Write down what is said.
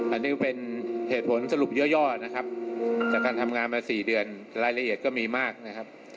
อันนี้ก็เป็นเหตุผลสรุปย่อนะครับจากการทำงานมา๔เดือนรายละเอียดก็มีมากนะครับ